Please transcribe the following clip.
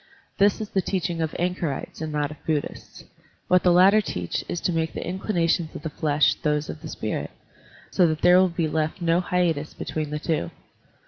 This is the teaching of anchorites and not of Buddhists. What the latter teach is to make the inclinations of the flesh those of the spirit, so that tiiere will be left no hiatus between the two.